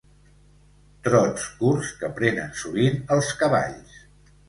Trots curts que prenen sovint els cavalls.